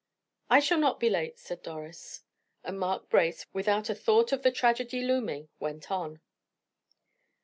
"I shall not be late," said Doris. And Mark Brace, without a thought of the tragedy looming, went on.